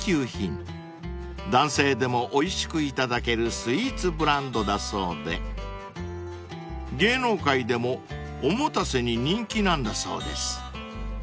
［男性でもおいしく頂けるスイーツブランドだそうで芸能界でもお持たせに人気なんだそうです］